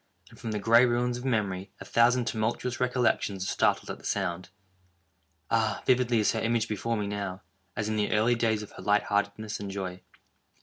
—and from the gray ruins of memory a thousand tumultuous recollections are startled at the sound! Ah, vividly is her image before me now, as in the early days of her light heartedness and joy!